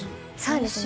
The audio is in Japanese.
そうですね